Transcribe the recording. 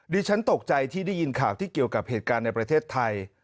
ฉันตกใจที่ได้ยินข่าวที่เกี่ยวกับเหตุการณ์ในประเทศไทย